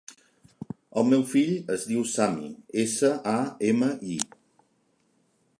El meu fill es diu Sami: essa, a, ema, i.